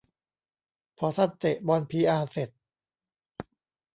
พอท่านเตะบอลพีอาร์เสร็จ